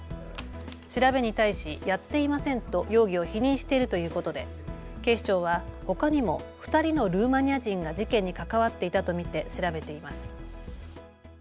調べに対し、やっていませんと容疑を否認しているということで警視庁はほかにも２人のルーマニア人が事件に関わっていたと見て調べています。